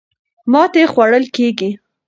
ماتې خوړل کېږي.